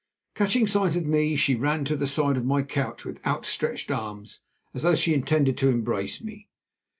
Catching sight of me, she ran to the side of my couch with outstretched arms as though she intended to embrace me.